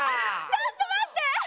ちょっと待って。